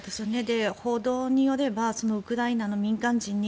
報道によればウクライナの民間人に